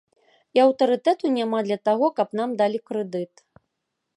І аўтарытэту няма для таго, каб нам далі крэдыт.